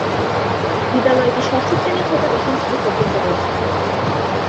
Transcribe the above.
বিদ্যালয়টি ষষ্ঠ শ্রেণী হতে দশম শ্রেণী পর্যন্ত রয়েছে।